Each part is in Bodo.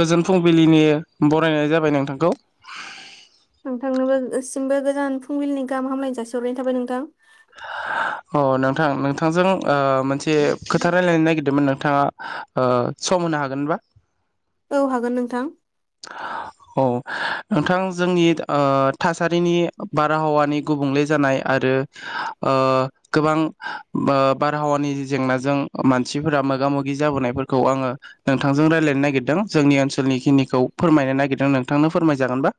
गोजोन फुं फुंबिलिनि बरायनाय जाबाय नोंथांखौ। नोंथांनोबो सिमबो गोजोन फुंबिलिनि गाहाम हामलायनाय जासिहरनाय थाबाय नोंथां। अ नोंथां नोंथांजों ओ मोनसे खोथा रायलायनो नागिरदोंमोन नोंथाङा ओ सम होनो हागोनबा? औ हागोन नोंथां। औ नोंथां जोंनि ओ थासारिनि बारहावानि गुबुंले जानाय आरो ओ गोबां ओ बारहावानि जेंनाजों मानसिफोरा मोगा मोगि जाबोनायफोरखौ आङो नोंथांजों रायलायनो नागिरदों जोंनि ओनसोलनिखिनिखौ। फोरमायनो नागिरदों नोंथांनो फोरमायजागोनबा?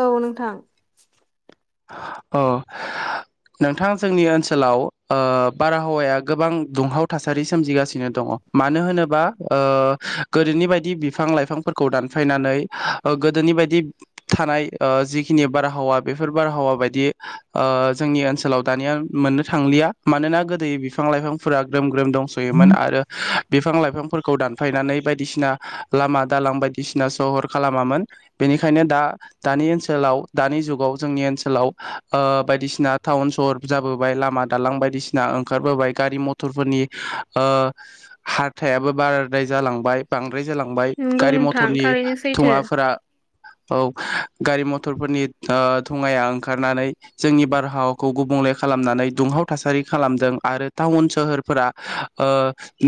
औ नोंथां। अ नोंथां जोंनि ओनसोलाव ओ बारहावाया गोबां दुंहाव थासारि सोमजिगासिनो दङ। मानो होनोबा ओ गोदोनि बायदि बिफां लाइफांफोरखौ दानफायनानै ओ गोदोनि बायदि थानाय ओ जिखिनि बारहावा बे फोर बारहावा बायदि ओ जोंनि ओनसोलाव दानिया मोननो थांलिया मानोना गोदो बिफां लाइफांफोरा ग्रोम ग्रोम दंस'योमोन आरो बिफां लाइफांफोरखौ दानफायनानै बायदिसिना लामा दालां बायदिसिना सहर खालामामोन बेनिखायनो दा दानि ओनसोलाव दानि जुगाव। जोंनि ओनसोलाव ओ बायदिसिना टाउन सहर जाबोबाय लामा दालां बायदिसिना ओंखारबोबाय गारि मथरफोरनि ओ हारथायाबो बाराद्राय जालांबाय बां द्राय जालांबाय नंगौ गारि नोंथां मथरनि थारैनो सैथो थुङाफोरा। औ गारि मथरफोरनि ओ थुआया ओंखारनानै जोंनि बारहावाखौ गुबुंले खालामनानै दुंहाव थासारि खालामदों आरो टाउन सोहोरफोरा ओ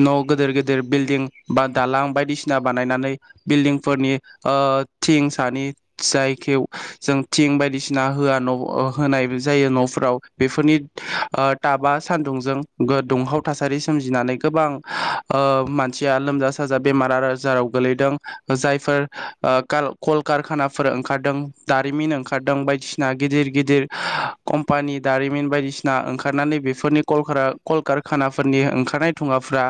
न' गिदिर गेदेर बिल्दिं बा दालां बायदिसिना बानायनानै बिल्डिंफोरनि ओ थिं सानि जायखौे जों थिं बायदिसिन दा होआ न होनाय जायो न'फोराव बेफोरनि ताबा सान्दुंजों दुंहाव थासारि सोमजिनानै गोबां ओ मानसिया लोमजा साजा बेमार आजाराव गोलैदों जायफोर ओ कलकारखानाफोर ओंखारदों दारिमिन ओंखारदों बाय बायदिसिना गिदिर गिदिर कम्पानि दारिमिन बायदिसिना ओंखारनानै बेफोरनि कलकारखानाफोरनि ओंखारनाय थुवाफ्रा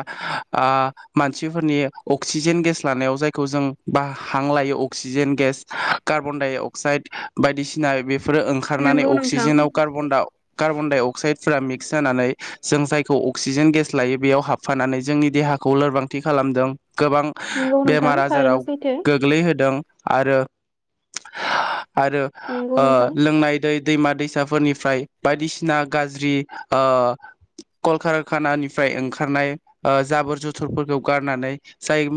आं मानसिफोरनि अक्सिजेन गेस लानायाव जायखौ जों बा हां लायो अक्सिजेन गेस कार्बन डाइ अक्साइद बायदिसिन [unintelligible] फोरो ओंखारनानै नंगौ नोंथां अक्सिजेनावार कार्बनडाइ अक्साइडफोरा मिक्स जानानै जों जायखौ अक्सिजेन गेस लायो बेयाव हाब फाननानै जोंनि देहाखौ लोरबांथि खालामदों। गोबां नंगौ नोंथां बेमार थारैनो आजाराव सैथो गोग्लैहोदों। आरो आरो नंगौ नोंथां लोंनाय दै दैमा दैसाफोरनिफ्राय बायदिसिना गाज्रि ओ कलकखानानिफ्राय ओंखारनाय जाबोर जुथुरफोरखौ गारनानै जाय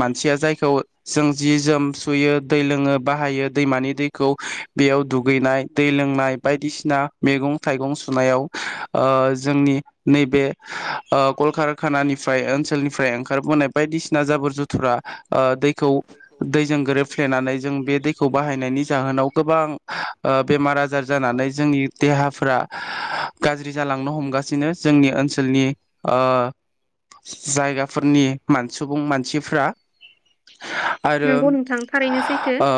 मानसिया जायखौ जों जि जोम सुयो दै लोङो बाहायो दैमानि दैखौ बेयाव दुगैनाय दै लोंनाय बायदिसिना मैगं थाइगं सुनायाव जोंनि नैबे कलकखानानिफ्राय ओनसोलनिफ्राय ओंखारबोनाय बायदिसिना जाबोर जुथुरा दै दैजों गोरोबफ्लेनानै जों बे दैखौ बाहायनायनि जाहोनाव गोबां ओ बेमार आजार जानानै जोंनि देहाफ्रा गाज्रि जालांनो हमगासिनो जोंनि ओनसोलनि ओ जायगाफोरनि सुबुं मानसिफ्रा आरो नंगौ नोंथां थारैनो सैथो ओ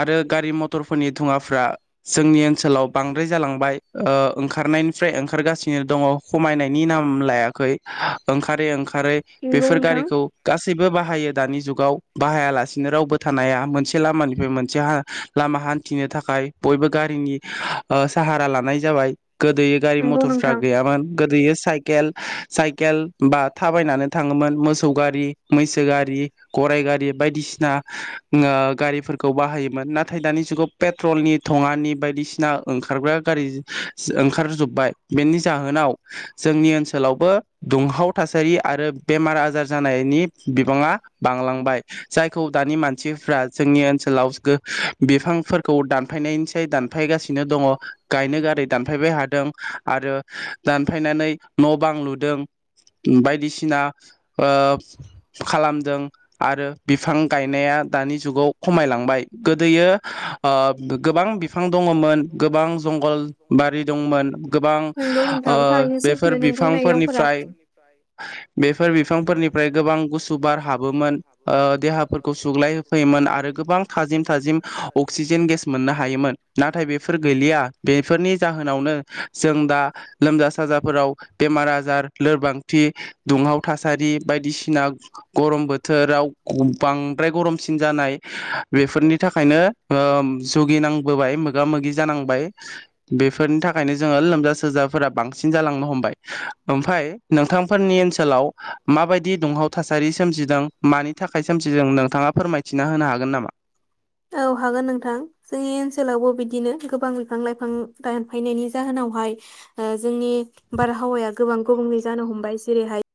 आरो गारि मटरफोरनि दुवाफ्रा जोंनि ओनसोलाव बांद्राय जालांबाय ओ ओंखारनायनिफ्राय ओंखारगासिनो दङ खमायनायनि नाम लायाखै ओंखारै ओंखार नंगौ बेफोर नोंथां गारिखौ गासैबो बाहायो दानि जुगाव बाहायालासेनो रावबो थानाया मोनसे से लामानिफ्राय मोनसे लामा हान्थिनो थाखाय बयबो गारिनि साहारा लानाय जाबाय गोदोयै गारि नंगौ मथरफ्रा नोंथां गैयामोन गोदोय साइेल साइकेल बा थाबायनानै थाङोमोन मोसौ गारि मैसो गारि गराइ गारि बायदिसिना ओ गारिफोरखौ बाहायोमोन नाथाय दानि जुगाव पेट्रलनि थङानि बायदिसिना ओंखारग्रा गारि ओंखार जोब्बाय बेनि जाहोनाव जोंनि ओनसोलावबो दुंहाव थासारि आरो बेमार आजार जानायनि बिबाङा बांलांबाय जायखौ दानि मानसिफ्रा जोंनि ओनसोलाव बिफांफोरखौ दानफायनायनिस दानफायगासिनो दङ गायनो गारै दानफायबाय हादों आरो दानफायनानै न' बां लुदों बायदिसिना ओ खालामदों आरो बिफां गायनाया दानि जुग जुगाव खमायलांबाय गोदोयो ओ गोबां बिफां दङमोन गोबां जंगलबारि दंमोन गोबां नंगौ नोंथां ओ थारैनो बेफोर सैथो नों बुंनाय रावफोरा बिफांफोरनिफ्राय बेफोर बिफांफोरनिफ्राय गोबां गुसु बार हाबोमोन देहाफोरखौ सुग्लाय फैयोमोन आरो गोबां थाजिम थाजिम अक्सिजेन गेस मोननो हायोमोन नाथाय बेफोर गैलिया बेफोरनि जाहो जाहोनावनो जों दा लोमजा साजाफोराव बेमार आजार लोरबांथि दुंहाव थासारि बायदिसिना गरम बोथोराव बांद्राय गरम बांसिन जानाय बेफोरनि थाखायनो ओ जुगिनांबोबाय मोगा मोगि जानांबाय बेफोरनि थाखायनो जोङो लोमजा सोजाफोरा बांसिन जालांनो हमबाय ओमफ्राय नोंथांफोरनि ओनसोलाव माबायदि दुंहाव थासारि सोमजिदों मानि थाखाय सोमजिदों नोंथाङा फोरमायथिना होनो हागोन नामा औ हागोन नोंथां जोंनि ओनसोलावबो बिदिनो गोबां बिफां लाइफां दानफायनायनि जाहोनावहाय जोंनि बारहावाया गोबां गुबुंलै जानो हमबाय जेरैहाय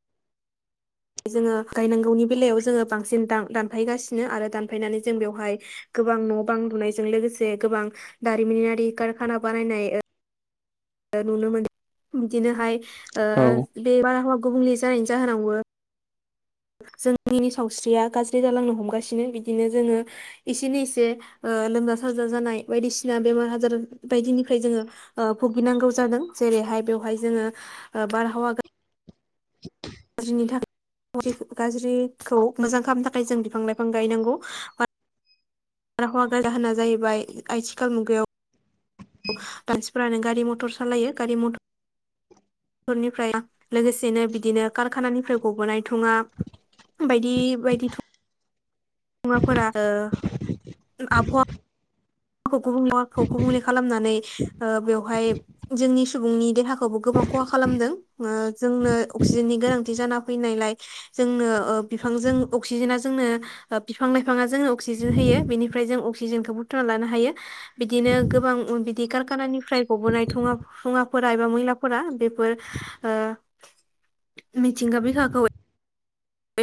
जोङो गायनांगौनि बेलायाव जोङो बांसिन दानफायगासिनो आरो दानफायनानै जों बेवहाय गोबां न' बां लुनायजों लोगोसे गोबां दारिमिनारि कारखाना बानायनाय नुनो मोन बिदिनोहाय आ औ बे बार गुबुंले जानायनि जाहोनावबो जोंनि सावस्रिया गाज्रि जालांनो हमगासिनो बिदिनो जोङो एसेनो इसे लोमजा साजा जानाय बायदिसिना बेमार आजार बायदिनिफ्राय जोङो भुगिनांगौ जादों जेरैहाय बेवहाय जोङो बारहावा गाज्रिनि थाखाय गाज्रि गाज्रिखौ मोजां खालामनो थाखाय जों बिफां लाइफां गायनांगौ बारहावा [unintelligible] होना जाहैबाय आथिखाल मुगायाव मानसिफ्रानो गारि मटर सालायो गारि मथर निफ्राय लोगोसेनो बिदिनो कारखानानिफ्राय गबोनाय धुङा बायदि बायदि धु मुवाफोरा ओ आबहावा आबहावाखो गुबुंले खालामनानै ओ बेवहाय जोंनि सुबुंनि देहाखौबो गोबां खहा खालामदों ओ जोंनो अक्सिजेननि गोनांथि जाना फैनायलाय जोंनो बिफांजों अक्सिजेना जोंनो बिफां लाइफाङा जोंनो अक्सिजेन होयो बेनिफ्राय जों अक्सिजेनखौ बुथुमना लानो हायो हायो बिदिनो गोबां बिदि कारखानानिफ्राय गबोनाय धुङा धुङाफोरा एबा मैलाफोरा बेफोर ओ मिथिंगा बिखाखौ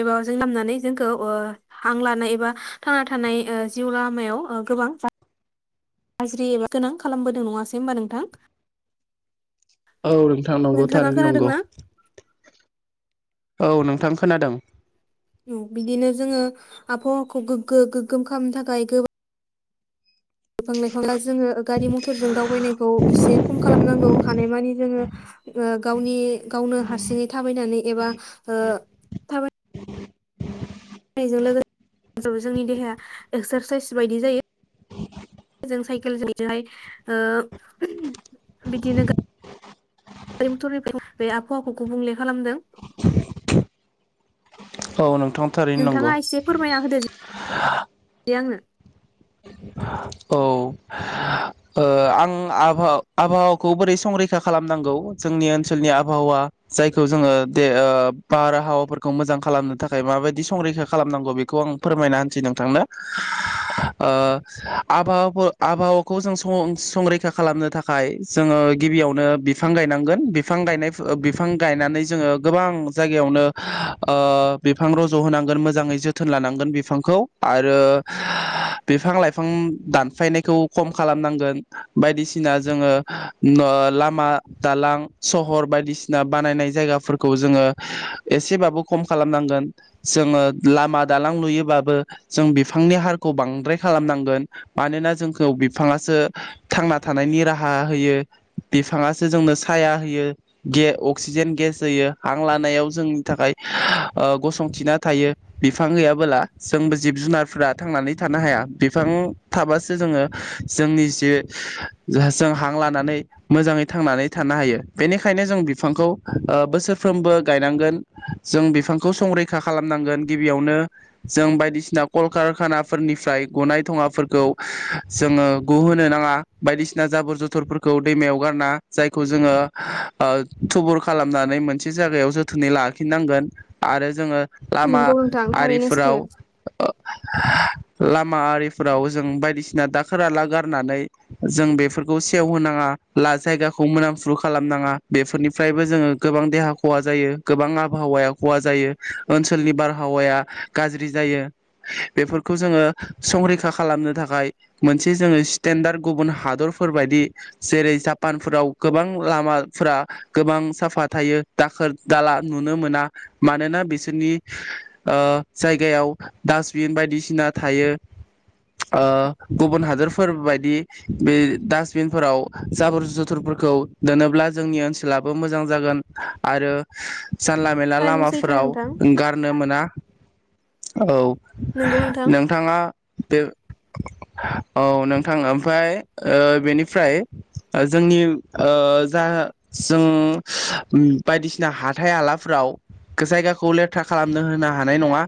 एबा जों लामनानै जोंखौ ओ हां लानाय एबा थांना ओ थानाय जिउ लामायाव ओ गोबां गाज्रि एबा गोनां खालामबोदों नङासै होमबा नोंथां औ नोंथां नंगौ नोंथाङा थारैनो नंगौ खोनादोंना औ नोंथां खोनादों बिदिनो जोङो आबहावाखौ गोग्गो गोग्गोम खालामनो थाखाय गोबा बिफां लाइफां जोङो गारि मथरजों दावबायनायखौ एसे खम खालामनांगौ हानायमानि जोङो गावनि गावनो हारसिङै थाबायनानै एबा थाबा नायजों लोगोसे जोंनि देहाया एक्सारसाइस बायदि जायो जों साइकेलजोंहाय ओ बिदिनो गारि मथर बे आबहावाखौ गुबुंले खालामदों। औ नं नोंथाङा एसे फोरमायना होदोे दे आंनो। औ ओ आं आबहा-आबहावाखौ बोरै संरैखा खालामनांगौ जोंनि ओनसोलनि आबहावा जायखौ जोङो दे बारहावाफोरखौ मोजां खालामनो थाखाय माबायदि संरैखा खालामनांगौ बेखौ आं फोरमायना होनसै नोंथांनो। हो ओ आबहावाफो- आबहाव खौ जोंं सं-संरैखा खालामनो थाखाय जोङो गिबियावनो बिफां गायनांगोन बिफां गायनाय ओ बिफां गायनानै जोङो गोबां जायगायावनो ओ बिफां रज' होनांगोन मोजाङै जोथोन लानांगोन बिफांखौ आरो बिफां लाइफां दानफायनायखौ खम खालामनांगोन बायदिसिना जोङो ओ लामा दालां सहर बायदिसिना बानायनाय जायगाफोरखौ जोङो एसेबाबो खम खालामनांगोन जोङो लामा दालां लुयोबाबो जों बिफांनि हारखौ बांद्राय खालामनांगोन मानोना जों खौ बिफाङासो थांना थानायनि राहा होयो बिफाङासो जोंनो साया होयो गे अक्सिजेन गेस होयो हां लानायाव जोंनि थाखाय ओ गसंथिना थायो बिफां गैयाबोला जोंबो जिब जुनारफ्रा थांनानै थानो हाया बिफां थाबासो जोङो जोंनि जे जों हां लानानै मोजाङै थांनानै थानो हायो बेनिखायनो जों बिफांखौ ओ बोसोरफ्रोमबो गायनांगोन जों बिफांखौ संरैखा खालामनांगोन गिबियावनो जों बायदिसिना कलकारखानाफोरनिफ्राय गनाय धङाफोरखौ जोङो गहोनो नाङा बायदिसिना जाबोर जथरफोरखौ दैमायाव गारना जायखौ जोङो थुबुर खालामनानै मोनसे जायगायाव जोथोनै लाखिनांगोन आरो जोङो लामा नोंगौ नोंथां थारैनो आरिफोराव सैथो ओ लामा आरिफोराव जों बायदिसि दाखोर आला गारनानै जों बेफोरखौ सेवहोनाङा ला जायगाखौ मोनामफु खालामनाङा बेफोरनिफ्रायबो जोङो गोबां देहा खहा जायो गोबां आबहावाया खहा जायो ओनसोलनि बारहावाया गाज्रि जायो बेफोरखौ जोङो संरैखा खालामनो थाखाय मोनसे जोङो स्टेनदार गुबुन हादरफोरबायदि जेरै जापानफोराव गोबां लामाफोरा गोबां साफा थायो दाखोर दाला नुनो मोना मानोना बिसोरनि ओ जायगायाव डासबिन बायदिसिना थायो ‌ओ गुबुन हादोरफोर बायदि बे दासबिनफोराव जाबोर जथरफोरखौ दोनोब्ला जोंनि ओनसोलाबो मोजां जागोन आरो जानला मेला थारैनो सैथो लामाफोराव नोंथां गारनो मोना। औ। नोंगौ नोंथां। नोंथाङा बे औ नोंथां ओमफ्राय ओ बेनिफ्राय जोंनि ओ जा जों बायदिसिना हाथाय हालाफोराव जायगाखौ लेथ्रा खालामनो होनो हानाय नङा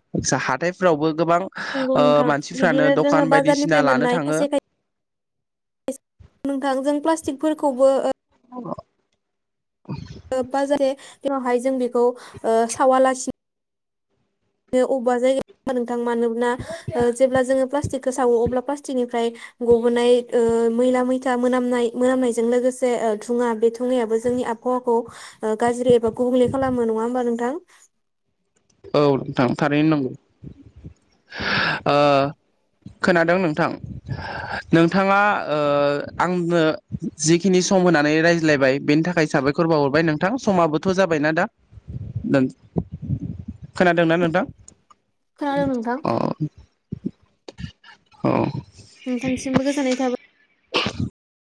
हाथाइफोरावबो गोबां ओ मानसिफ्रानो दखान बायदिसिन से मोननाय खायसे खायसे [unintelligible] प्ला स्टिकफोरखौबो ओ [inaudible] ओ बा जादि बेवहाय जों बेखौ ओ सावालासि अबबा जायगायाव [unintelligible] दां मानोना ओ जेब्ला जोङो प्लास टिकखौ सावो अब्ला प्लास्टिकनिफ्राय गबोनाय ओ मैला मैथा मोनामनाय-मोनामनायजों लोगोसे ओ धुङा बे ङायाबो जोंनि आबहावा खौ ओ गाज्रि एबा गुबुंले खालामो नङा होमबा नोंथां? औ नथां थारैनो नं ओ खोनादों नोंथां नोंथाङा ओ आंनो जिखिनि सम होनानै रायज्लायबाय बेनि थाखाय साबायखर बाहरबाय नोंथां समाबोथ' जाबायना दा। नों खोनादोंना नोंथां? खोनादों नोंथां अ। औ। नोंथांसिमबो गोजोननाय थाबाय। [inaudible]